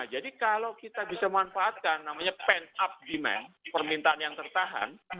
jadi kalau kita bisa memanfaatkan namanya pent up demand permintaan yang tertahan